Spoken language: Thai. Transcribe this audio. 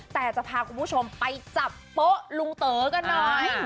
แต่จะพาคุณผู้ชมไปจับโป๊ะลุงเต๋อกันหน่อย